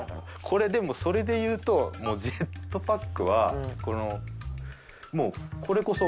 これでもそれでいうとジェットパックはもう。